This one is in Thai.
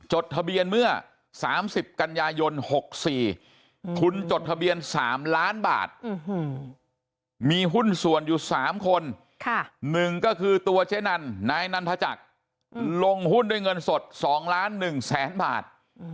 หนึ่งก็คือตัวเจ๊นันนายนันทจักรลงหุ้นด้วยเงินสด๒ล้าน๑แสนบาท